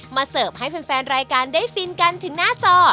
เสิร์ฟให้แฟนรายการได้ฟินกันถึงหน้าจอ